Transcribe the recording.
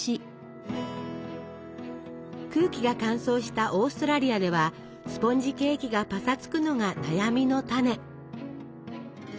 空気が乾燥したオーストラリアではスポンジケーキがパサつくのが悩みのタネ。